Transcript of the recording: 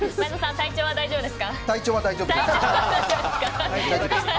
体調は大丈夫です。